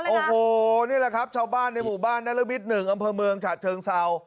โอ้โหนี่แหละครับชาวบ้านในหมู่บ้านนรมิตร๑อำเภอเมืองฉะเชิงเศร้า